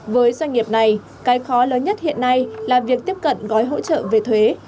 với doanh nghiệp này cái khó lớn nhất hiện nay là việc tiếp cận gói hỗ trợ về thuế